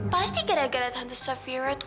pasti gara gara tante safira tuh